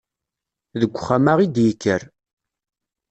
Deg uxxam-a i d-yekker.